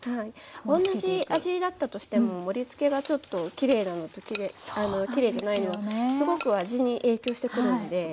同じ味だったとしても盛りつけがちょっときれいなのときれいじゃないのすごく味に影響してくるんで。